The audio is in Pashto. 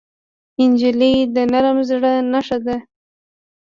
نجلۍ د نرم زړه نښه ده.